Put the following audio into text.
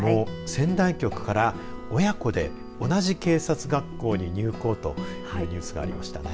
仙台局から親子で同じ警察学校に入校というニュースがありましたね。